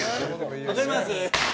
わかります？